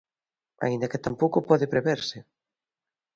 Aínda que tampouco pode preverse.